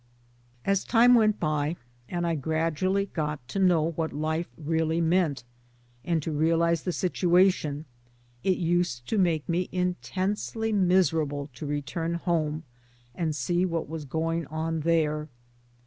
As time went by, and I gradually got to know what life really meant, and to realize the situation, it used to make me intensely miserable to return home and see what was going on there.